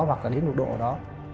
hoặc là đến một độ đó